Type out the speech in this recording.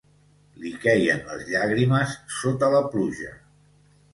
Li quèien les llàgrimes sota la pluja